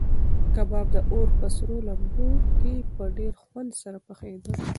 کباب د اور په سرو لمبو کې په ډېر خوند سره پخېده.